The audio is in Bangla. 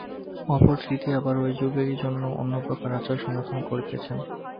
অপর স্মৃতি আবার ঐ যুগের জন্যই অন্যপ্রকার আচার সমর্থন করিতেছেন।